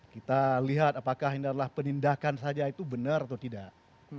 kita lihat apakah ini adalah penindakan saja itu benar atau tidak